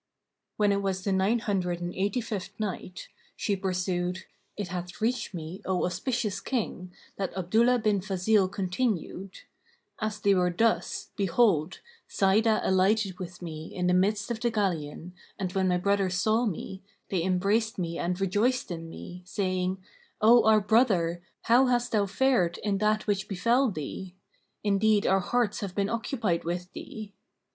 When it was the Nine Hundred and Eighty fifth Night, She pursued, It hath reached me, O auspicious King, that Abdullah bin Fazil continued, "As they were thus, behold, Sa'idah alighted with me in the midst of the galleon and when my brothers saw me, they embraced me and rejoiced in me, saying, 'O our brother, how hast thou fared in that which befel thee? Indeed our hearts have been occupied with thee.'